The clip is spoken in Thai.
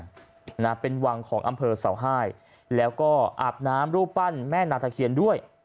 นะเป็นวังของอำเภอเสาไห้แล้วก็อาบน้ำรูปปั้นแม่นาตะเคียนด้วย